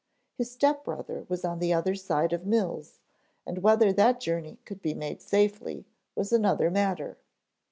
His step brother was the other side of Mills and whether that journey could be made safely was another matter.